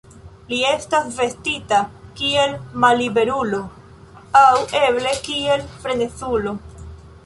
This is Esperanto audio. Li estas vestita kiel malliberulo aŭ eble kiel frenezulo.